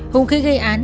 hùng khí gây án